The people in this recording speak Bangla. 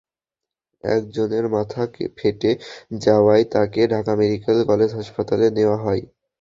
একজনের মাথা ফেটে যাওয়ায় তাঁকে ঢাকা মেডিকেল কলেজ হাসপাতালে নেওয়া হয়।